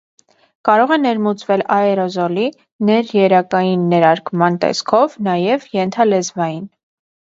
Կարող է ներմուծվել աերոզոլի, ներերակային ներարկման տեսքով, նաև՝ ենթալեզվային։